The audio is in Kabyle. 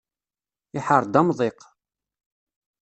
Iḥerr-d amḍiq.